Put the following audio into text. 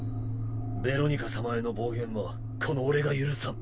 ベロニカ様への暴言はこの俺が許さん。